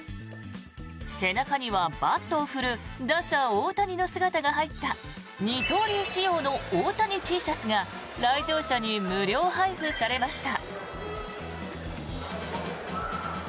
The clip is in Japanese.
背中には、バットを振る打者・大谷の姿が入った二刀流仕様の大谷Ｔシャツが来場者に無料配布されました。